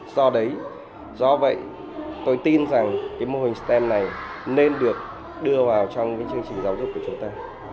do đấy do vậy tôi tin rằng cái mô hình stem này nên được đưa vào trong chương trình giáo dục của chúng ta